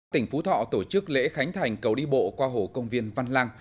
tỉnh phú thọ tổ chức lễ khánh thành cầu đi bộ qua hồ công viên văn lang